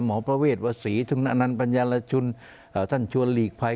หมอพระเวทย์วัศรีทุกนานปัญญารชุนท่านชวนลีกภัย